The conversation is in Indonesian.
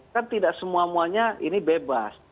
kan tidak semuanya ini bebas